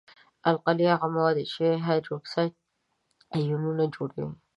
القلي هغه مواد دي چې هایدروکساید آیونونه جوړوي.